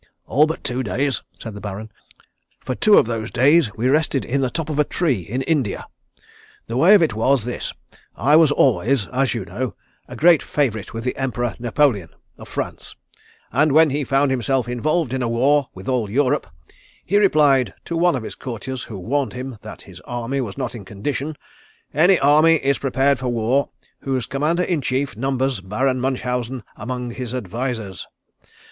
"All but two days," said the Baron. "For two of those days we rested in the top of a tree in India. The way of it was this: I was always, as you know, a great favourite with the Emperor Napoleon, of France, and when he found himself involved in a war with all Europe, he replied to one of his courtiers who warned him that his army was not in condition: 'Any army is prepared for war whose commander in chief numbers Baron Munchausen among his advisers.